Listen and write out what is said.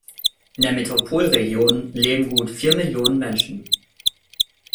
In der Metropolregion leben gut vier Millionen Menschen.